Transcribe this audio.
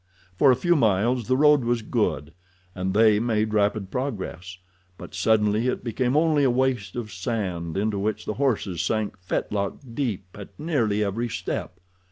For a few miles the road was good, and they made rapid progress, but suddenly it became only a waste of sand, into which the horses sank fetlock deep at nearly every step.